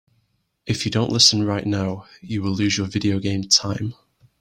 If you don't listen right now, you will lose your video game time.